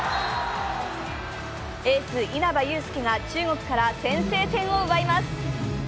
エース・稲場悠介が中国から先制点を奪います。